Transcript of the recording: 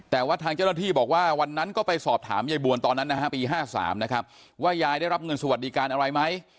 แต่ว่าทางเจ้าหน้าที่บอกว่าวันนั้นก็ไปสอบถามยายบวนตอนนั้นนะฮะปี๕๓นะครับว่ายายได้รับเงินสวัสดิการอะไรไหม